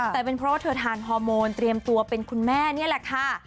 แต่เป็นเพราะว่าเธอทานฮอร์โมนเตรียมตัวเป็นคุณแม่นี่แหละค่ะ